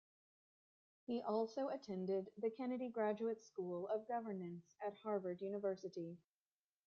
He also attended the Kennedy Graduate School of Governance at Harvard University.